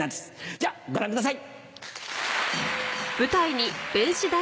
じゃご覧ください！